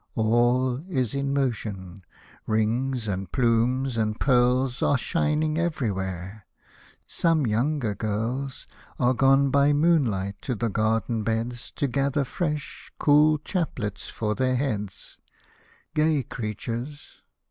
All is in motion ; rings and plumes and pearls Are shining everywhere :— some younger girls Are gone by moonlight to the garden beds, To gather fresh, cool chaplets for their heads ;— Gay creatures